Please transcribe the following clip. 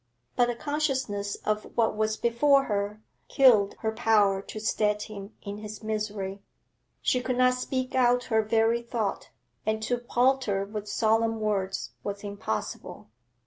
But the consciousness of what was before her killed her power to stead him in his misery. She could not speak out her very thought, and to palter with solemn words was impossible.